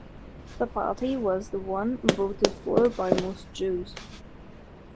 The party was the one voted for by most Jews.